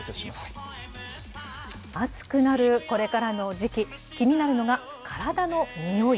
暑くなるこれからの時期、気になるのが体のにおい。